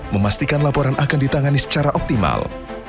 memastikan laporan akan ditangani secara optimal